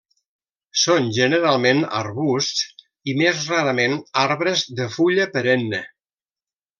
Són generalment arbusts i més rarament arbres de fulla perenne.